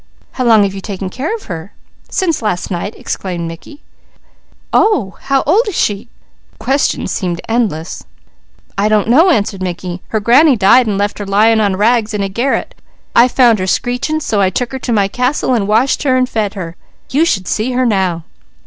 "How long have you taken care of her?" "Since last night," explained Mickey. "Oh! How old is she?" Questions seemed endless. "I don't know," answered Mickey. "Her granny died and left her lying on rags in a garret. I found her screeching, so I took her to my castle and washed her, and fed her. You should see her now."